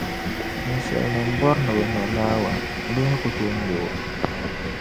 Ninsalinima bɔri ni bɛ nya Naawuni bɛ mi ku tooi nya o.